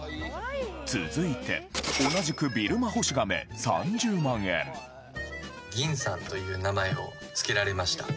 続いて同じくビルマホシガメ３０万円銀さんという名前を付けられました。